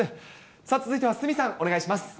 さあ、続いては鷲見さん、お願いします。